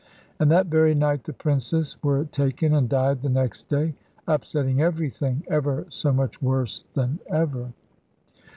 And that very night the Princess were taken, and died the next day, upsetting everything, ever so much worse than ever.